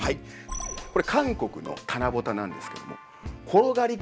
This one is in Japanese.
これ韓国の「棚ぼた」なんですけども。